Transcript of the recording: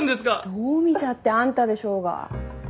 どう見たってあんたでしょうが。